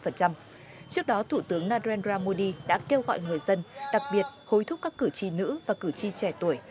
trước đó thủ tướng narendra modi đã kêu gọi người dân đặc biệt hối thúc các cử tri nữ và cử tri trẻ tuổi